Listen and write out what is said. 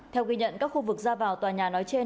theo ghi nhận các khu vực ra vào tòa nhà nói trên